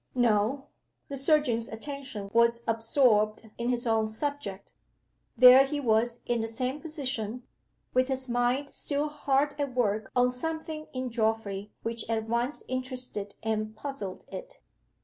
No! The surgeon's attention was absorbed in his own subject. There he was in the same position, with his mind still hard at work on something in Geoffrey which at once interested and puzzled it!